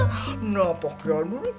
kenapa pak dhanu